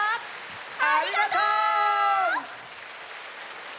ありがとう！